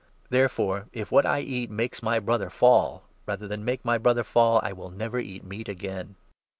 Therefore, if what I eat makes my 13 Brother fall, rather than make my Brother fall, I will never eat meat again.